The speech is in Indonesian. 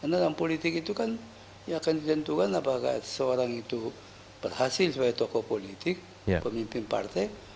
karena dalam politik itu kan ya akan di tentukan apakah seorang itu berhasil sebagai tokoh politik pemimpin partai